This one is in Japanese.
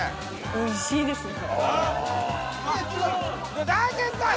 おいしいですね。